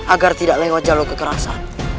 agar tidak lewat jalur kekerasan